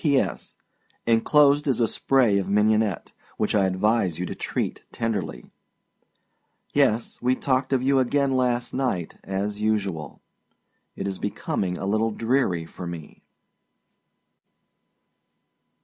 P.S. Enclosed is a spray of mignonette, which I advise you to treat tenderly. Yes, we talked of you again last night, as usual. It is becoming a little dreary for me.